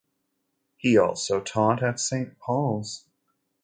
He also taught at Saint Paul's.